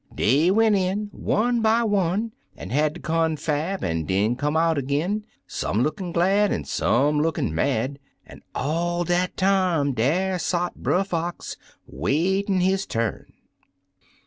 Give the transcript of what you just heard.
Dey went in, one by one, an' had der confab, an' den come out ag'in, some lookin' glad an' some lookin' mad; an' all dat time dar sot Brer Fox waitin' his turn.